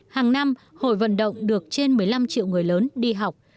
hàng năm hội vận động được trên một mươi năm triệu người lớn đi học